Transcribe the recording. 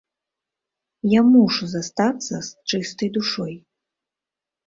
Я мушу застацца з чыстай душой!